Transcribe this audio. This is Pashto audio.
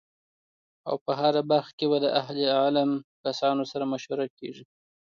او په هره برخه کی به د اهل علم کسانو سره مشوره کیږی